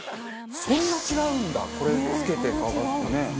そんな違うんだこれ着けて乾かすってね。